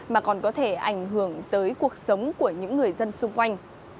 mà còn có thể ảnh hưởng tới cuộc sống của những người dân xung quanh